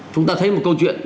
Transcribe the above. chúng ta thấy một câu chuyện